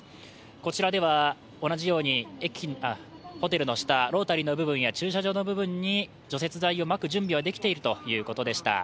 こちらでは同じようにホテルの下、ロータリーの部分や駐車場の部分に除雪剤をまく準備はできているということでした。